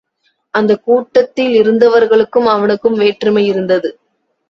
அந்தக் கூட்டத்தில் இருந்தவர்களுக்கும் அவனுக்கும் வேற்றுமையிருந்தது.